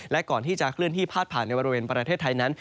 และก่อนที่จะเคลื่อนที่พาดผ่านในบริเวณประเทศไทยนั้น